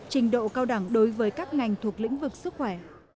trình độ cao đẳng đối với các ngành thuộc lĩnh vực sức khỏe